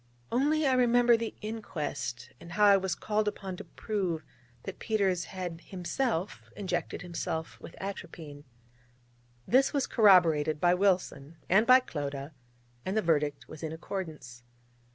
Only I remember the inquest, and how I was called upon to prove that Peters had himself injected himself with atropine. This was corroborated by Wilson, and by Clodagh: and the verdict was in accordance.